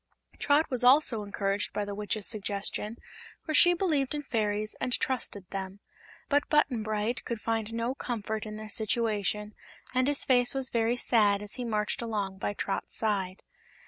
Trot was also encouraged by the Witch's suggestion, for she believed in fairies and trusted them; but Button Bright could find no comfort in their situation and his face was very sad as he marched along by Trot's side.